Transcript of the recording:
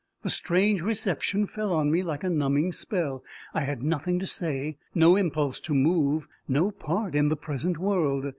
The strange reception fell on me like a numbing spell. I had nothing to say, no impulse to move, no part in the present world.